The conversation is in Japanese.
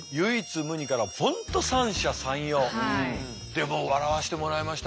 でも笑わしてもらいました。